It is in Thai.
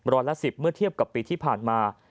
ร้อยละ๑๐เมื่อเทียบกับปีที่ผ่านมา